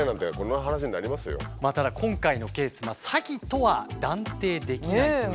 ただ今回のケース詐欺とは断定できないという。